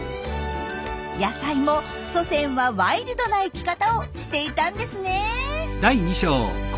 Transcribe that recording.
野菜も祖先はワイルドな生き方をしていたんですね。